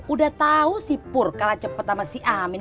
udah tau sih pur kalah cepat sama si amin